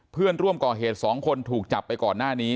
เพื่อนร่วมก่อเหตุ๒คนถูกจับไปก่อนหน้านี้